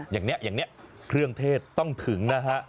อย่างเนี้ยเครื่องเทศต้องถึงนะฮะ